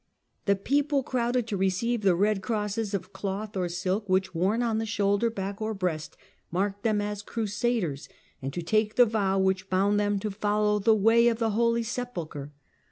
The people crowded to receive the red crosses, of cloth or silk, which, worn on the shoulder, back, or breast, marked them as Crusaders, and to take the vow which bound them to follow the "way of the Holy Sepulchre."